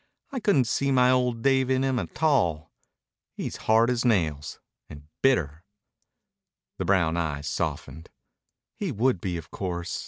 I couldn't see my old Dave in him a tall. He's hard as nails and bitter." The brown eyes softened. "He would be, of course.